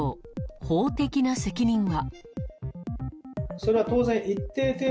法的な責任は。